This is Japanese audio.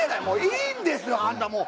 もういいんですあんた